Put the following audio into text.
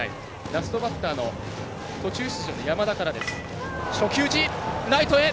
ラストバッターの途中出場の山田から。